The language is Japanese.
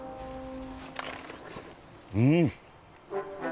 うん。